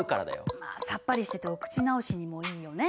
さっぱりしててお口直しにもいいよね。